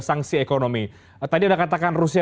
sanksi ekonomi tadi anda katakan rusia